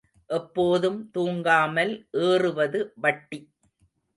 எப்போதும் தூங்காமல் ஏறுவது வட்டி.